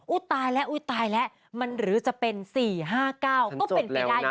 อุ๊ยตายแล้วมันหรือจะเป็น๔๕๙ก็เป็นไปได้อยู่กัน